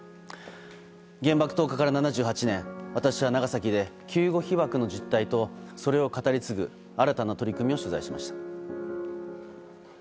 原爆投下から７８年私は長崎で救護被爆の実態とそれを語り継ぐ新たな取り組みを取材しました。